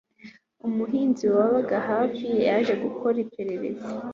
Umuhinzi wabaga hafi yaje gukora iperereza